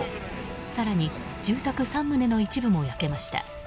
更に住宅３棟の一部も焼けました。